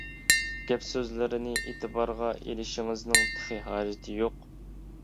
گەپ سۆزلىرىنى ئېتىبارغا ئېلىشىڭىزنىڭ تېخى ھاجىتى يوق.